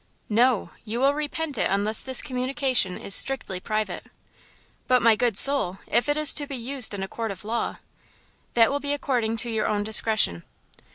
"No! You will repent it unless this communication is strictly private." "But, my good soul, if it is to be used in a court of law?" "That will be according to your own discretion!"